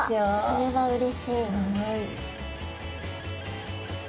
それはうれしい。